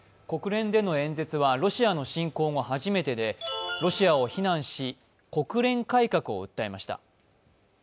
国連での演説はロシアの侵攻後、初めてでロシアを非難し、国連改革を訴えました。